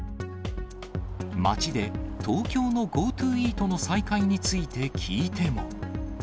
街で東京のＧｏＴｏＥａｔの再開について聞いても。